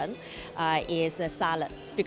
adalah makanan yang paling baik